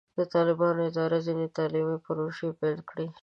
د طالبانو اداره ځینې تعلیمي پروژې پیل کړې.